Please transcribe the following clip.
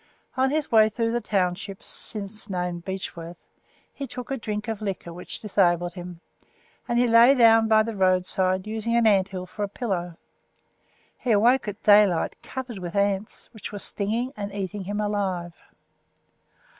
On his way through the township, since named Beechworth, he took a drink of liquor which disabled him, and he lay down by the roadside using an ant hill for a pillow. He awoke at daylight covered with ants, which were stinging and eating him alive.